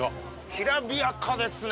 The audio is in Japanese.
きらびやかですね。